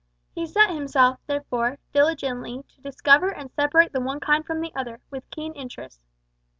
He set himself, therefore, diligently to discover and separate the one kind from the other, with keen interest.